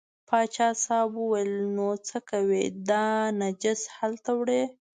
پاچا صاحب وویل نو څه کوې دا نجس هلته وړې.